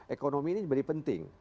ekonomi ini menjadi penting